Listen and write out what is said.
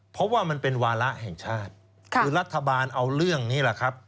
เพราะว่ามันเป็นวาระแห่งชาติคือรัฐบาลเอาเรื่องนี้แหละครับ